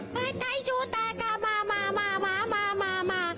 ประไทยชูตากะมา